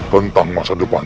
tentang masa depan